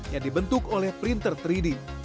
yang dibentuk oleh printer tiga d